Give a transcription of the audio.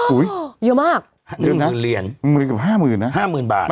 อุ๊ยเยอะมาก๑หมื่นเหรียญมันเหมือนกับ๕หมื่นนะ๕หมื่นบาท